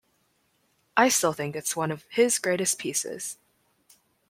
I still think it's one of his greatest pieces.